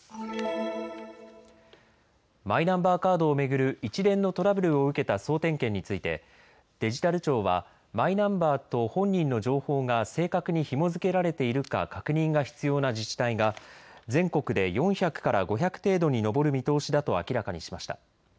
マイナンバーカードを巡る一連のトラブルを受けた総点検についてデジタル庁はマイナンバーと本人の情報が正確にひも付けられているか確認が必要な自治体が全国で４００から５００程度に上る見通しだと明らかにしました。